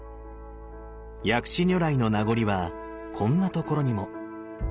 薬師如来の名残はこんなところにも。